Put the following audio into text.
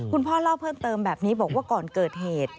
พ่อเล่าเพิ่มเติมแบบนี้บอกว่าก่อนเกิดเหตุ